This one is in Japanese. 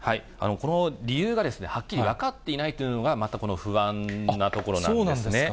この理由が、はっきり分かっていないというのが、またこの不安なところなんですね。